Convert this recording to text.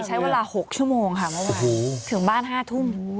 ใช้เวลาหกชั่วโมงค่ะเมื่อวานโอ้โหถึงบ้านห้าทุ่มโอ้โห